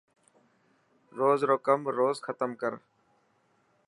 روز رو ڪم روز ختم ڪر.